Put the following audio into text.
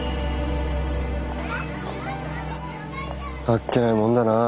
あっけないもんだな。